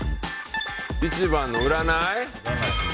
１番の占い？